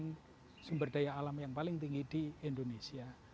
dev artifikasi daya alam yang paling tinggi di indonesia